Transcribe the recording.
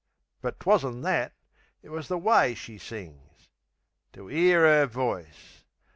But 'twasn't that; it was the way she sings. To 'ear 'er voice!...